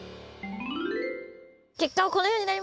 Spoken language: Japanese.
結果はこのようになりました。